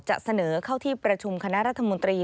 จะเสนอเข้าที่ประชุมคณะรัฐมนตรี